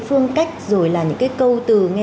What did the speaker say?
phương cách rồi là những cái câu từ nghe